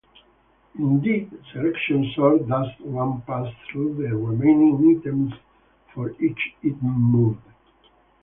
Indeed, selection sort does one pass through the remaining items for each item moved.